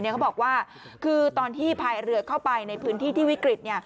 เขาบอกว่าคือตอนที่พายเรือเข้าไปในพื้นที่ที่วิกฤต